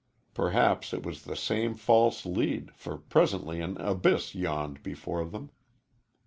Perhaps it was the same false lead, for presently an abyss yawned before them.